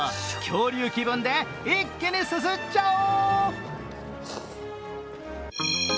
恐竜気分で一気にすすっちゃおう！